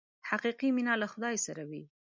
حقیقي مینه له خدای سره وي.